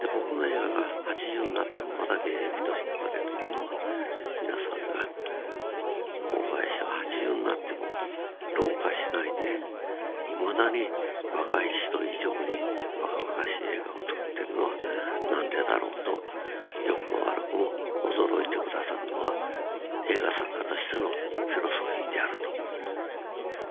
で僕の映画が８０になってもまだ現役として撮れているのは皆さんが「大林は８０になっても老化しないでいまだに若い人以上に若々しい映画をつくってるのは何でだろう」と良くも悪くも驚いて下さるのは映画作家としてのフィロソフィーであると。